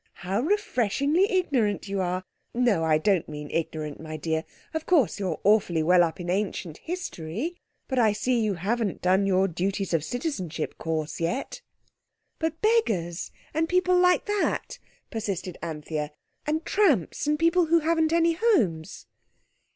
"How refreshingly ignorant you are!—no, I don't mean ignorant, my dear. Of course, you're awfully well up in ancient History. But I see you haven't done your Duties of Citizenship Course yet." "But beggars, and people like that?" persisted Anthea "and tramps and people who haven't any homes?"